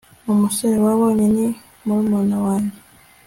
Umusore wabonye ni murumuna wanjye